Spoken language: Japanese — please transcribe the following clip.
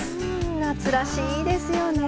夏らしいですよね。